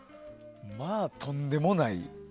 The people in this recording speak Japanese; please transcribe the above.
まあ、とんでもない。